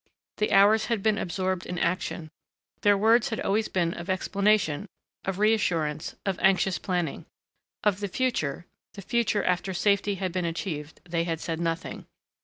The hours had been absorbed in action. Their words had always been of explanation, of reassurance, of anxious planning. Of the future, the future after safety had been achieved, they had said nothing.